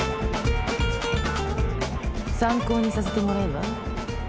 参考にさせてもらうわ。